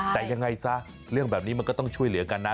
แต่ยังไงซะเรื่องแบบนี้มันก็ต้องช่วยเหลือกันนะ